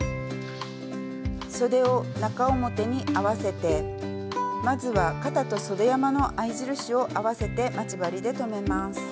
そでを中表に合わせてまずは肩とそで山の合い印を合わせて待ち針で留めます。